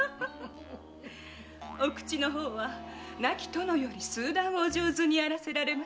お口の方は亡き殿より数段お上手にあらせられまする。